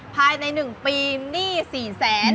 ภายในหนึ่งปีหนี้สี่แสน